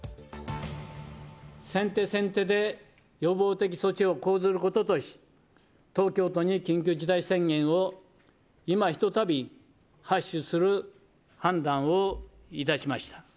先手先手で予防的措置を講ずることとし、東京都に緊急事態宣言をいまひとたび発出する判断をいたしました。